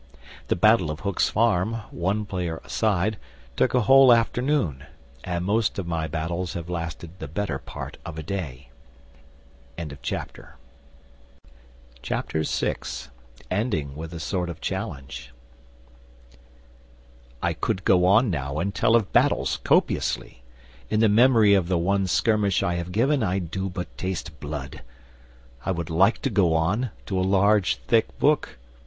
The Battle of Hook's Farm (one player a side) took a whole afternoon, and most of my battles have lasted the better part of a day. VI ENDING WITH A SORT OF CHALLENGE I COULD go on now and tell of battles, copiously. In the memory of the one skirmish I have given I do but taste blood. I would like to go on, to a large, thick book.